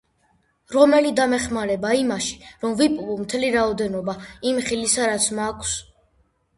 რომელი დამეხმარება იმაში, რომ ვიპოვო მთელი რაოდენობა იმ ხილისა რაც მაქვს?